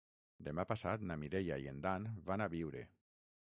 Demà passat na Mireia i en Dan van a Biure.